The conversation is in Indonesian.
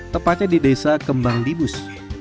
tepatnya di desa kembang dibus